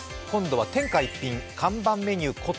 今度は天下一品看板メニュー・